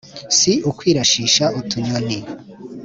si ukwirashisha utunyoni